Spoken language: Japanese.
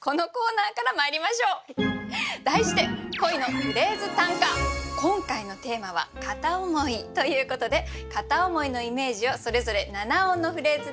題して今回のテーマは「片思い」ということで「片思い」のイメージをそれぞれ七音のフレーズで表します。